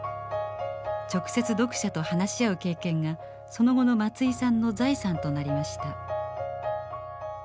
直接読者と話し合う経験がその後の松居さんの財産となりました。